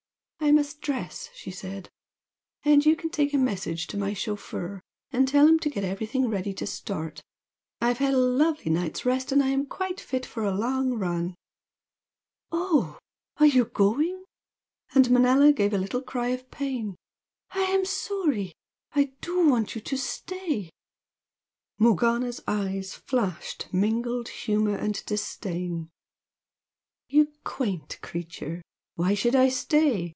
"I must dress;" she said "And you can take a message to my chauffeur and tell him to get everything ready to start. I've had a lovely night's rest and am quite fit for a long run." "Oh, are you going?" and Manella gave a little cry of pain "I am sorry! I do want you to stay!" Morgana's eyes flashed mingled humour and disdain. "You quaint creature! Why should I stay?